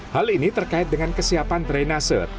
hal ini terkait dengan kesiapan drainase